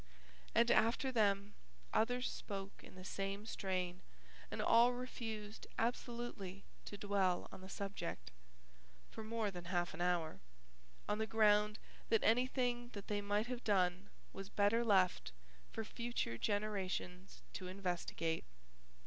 And, after them, others spoke in the same strain and all refused absolutely to dwell on the subject (for more than half an hour) on the ground that anything that they might have done was better left for future generations to investigate.